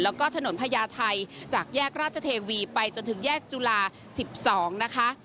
แล้วก็ถนนพญาไทยจากแยกราชเทวีไปจนถึงแยกจุฬา๑๒นะคะ